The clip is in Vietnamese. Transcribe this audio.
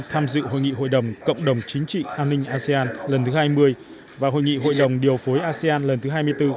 tham dự hội nghị hội đồng cộng đồng chính trị an ninh asean lần thứ hai mươi và hội nghị hội đồng điều phối asean lần thứ hai mươi bốn